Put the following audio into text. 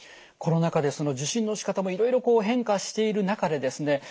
コロナ禍でその受診の仕方もいろいろこう変化している中でですね